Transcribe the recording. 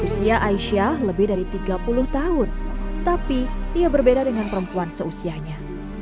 usia aisyah lebih dari tiga puluh tahun tapi ia berbeda dengan perempuan seusianya